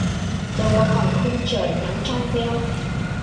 Đâu có còn khung trời nắng trong veo